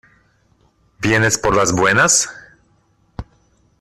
¿ Vienes por las buenas?